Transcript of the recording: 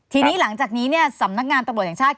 ทีนี้หลังจากนี้เนี่ยสำนักงานตำรวจแห่งชาติ